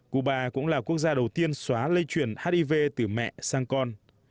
cuba cũng là quốc gia đầu tiên xóa lây chuyển hiv từ mẹ sang con